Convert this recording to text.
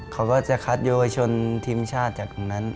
เขาก็จะคัดเยาวชนทีมชาติจากตรงนั้น